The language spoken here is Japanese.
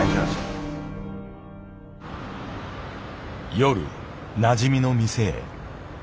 夜なじみの店へ。